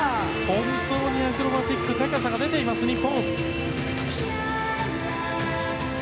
本当にアクロバティック高さが出ています、日本！